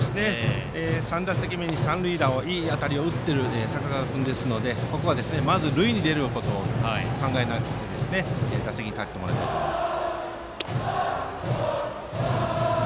３打席目に三塁打をいい当たりを打っている坂川君ですのでまずは塁に出ることを考え打席に立ってほしいです。